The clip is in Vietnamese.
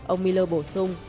ông miller bổ sung